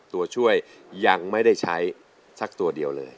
ตัวช่วยยังไม่ได้ใช้สักตัวเดียวเลย